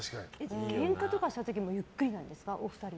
ケンカした時もゆっくりなんですか？